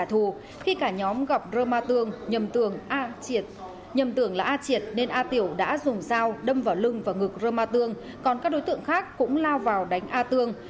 thù khi cả nhóm gặp rơ ma tương nhầm tường là a triệt nên a tiểu đã dùng dao đâm vào lưng và ngực rơ ma tương còn các đối tượng khác cũng lao vào đánh a tương